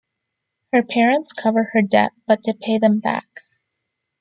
Her parents cover her debt, but to pay them back.